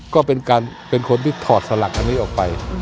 ก็เป็นการเป็นคนที่ถอดสลักอันนี้ออกไป